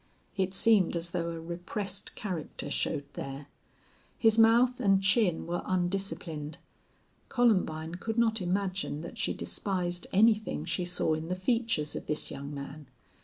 It seemed as though a repressed character showed there. His mouth and chin were undisciplined. Columbine could not imagine that she despised anything she saw in the features of this young man.